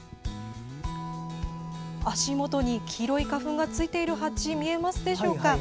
足元に黄色い花粉がついているハチ見えますでしょうか。